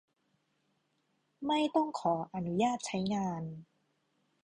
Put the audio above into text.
ไม่ต้องขออนุญาตใช้งาน